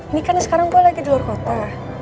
ini kan sekarang gue lagi di luar kota